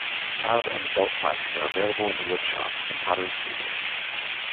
Child and adult classes are available in the wood shop and pottery studio.